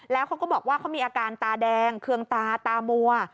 แล้วเขาก็บอกว่าเขามีอาการตาแดงเคืองตาตามัว